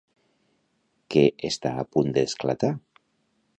Què està a punt d'esclatar?